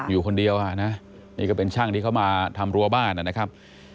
อยู่คนเดียวอ่ะนะนี่ก็เป็นช่างที่เขามาทำรัวบ้านนะครับ